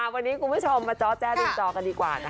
วันนี้คุณผู้ชมมาจ้อแจ้ริมจอกันดีกว่านะคะ